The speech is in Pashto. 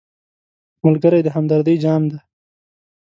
ملګری د همدردۍ جام دی